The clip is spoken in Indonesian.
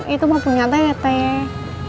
itu mau punya teh